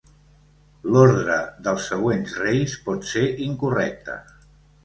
L'ordre dels següents reis pot ser incorrecta.